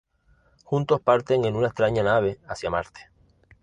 Juntos parten en una extraña nave hacia Marte.